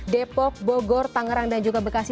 depok bogor tangerang dan juga bekasi